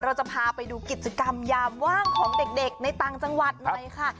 เราจะพาไปดูกิจกรรมยามว่างของเด็กในต่างจังหวัดหน่อยค่ะ